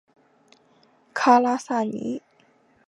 拉卡萨尼。